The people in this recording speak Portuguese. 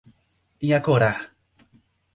Inhacorá